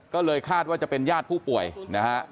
ก็เลยคาดว่าจะเป็นญาติผู้ป่วยนะฮะ